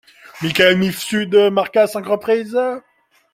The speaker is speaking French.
Michael Mifsud marqua à cinq reprises.